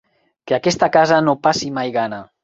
Que aquesta casa no passi mai gana.